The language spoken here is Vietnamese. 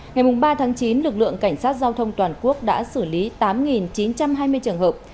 ngày ba chín lực lượng cảnh sát giao thông toàn quốc đã xử lý tám chín trăm hai mươi trường hợp